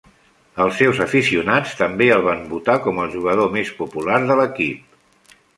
Els seus aficionats també el van votar com el jugador més popular de l'equip.